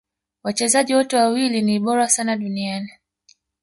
Wachezaji wote wawili ni bora sana duniani